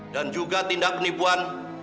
dan juga tindak penipuan